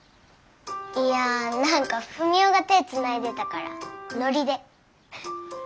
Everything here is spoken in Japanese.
いや何かふみおが手つないでたからノリで。